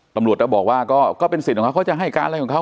ตำรวจก็บอกว่าก็เป็นสิทธิ์ของเขาเขาจะให้การอะไรของเขา